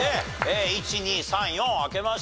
１２３４開けました。